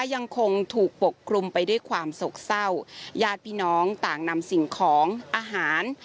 ยังคงถูกปกคลุมไปด้วยความโศกเศร้าญาติพี่น้องต่างนำสิ่งของอาหาร